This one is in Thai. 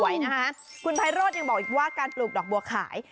เรียบร้อยก็จะยังบอกว่าการปลูกดอกบัวข่าว